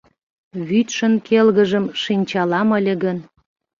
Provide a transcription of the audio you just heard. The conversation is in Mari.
Вӱдшын келгыжым шинчалам ыле гын